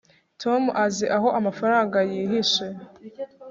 tom azi aho amafaranga yihishe